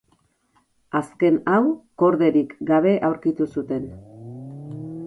Azken hau korderik gabe aurkitu zuten.